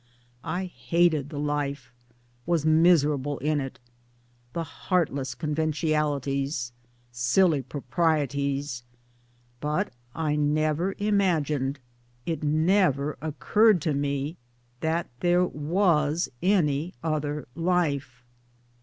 I hated the life, was miserable in it the heartless conventionalities, silly proprieties but I never imagined, it never occurred to me, that there was any other life.